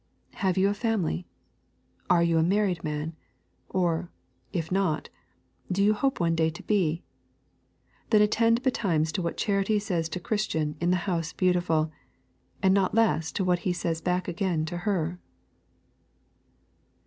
Have you a family? Are you a married man? Or, if not, do you hope one day to be? Then attend betimes to what Charity says to Christian in the House Beautiful, and not less to what he says back again to her.